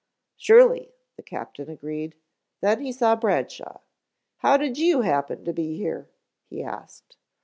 "Surely," the captain agreed, then he saw Bradshaw. "How did you happen to be here?" he asked.